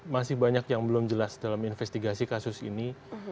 masih banyak yang belum jelas dalam investigasi kasus ini